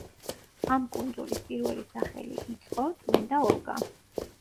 ამ კუნძულის პირველი სახელი იწყო, წმინდა ოლგა.